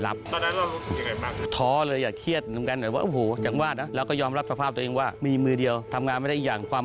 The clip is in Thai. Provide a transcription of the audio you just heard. เราบอกคุณรับฆ่าดูถูกไงบ้างครับ